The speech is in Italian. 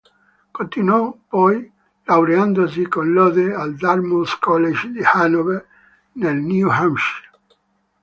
Continuò poi laureandosi con lode al Dartmouth College di Hanover, nel New Hampshire.